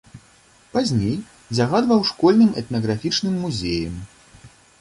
Пазней загадваў школьным этнаграфічным музеем.